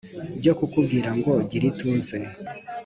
byo kukubwira ngo gira ituze